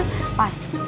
pasti kita harus berhenti